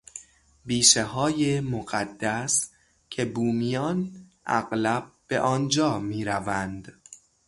بیشههای مقدس که بومیان اغلب به آنجا میروند